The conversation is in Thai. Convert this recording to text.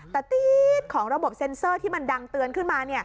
แต่ตี๊ดของระบบเซ็นเซอร์ที่มันดังเตือนขึ้นมา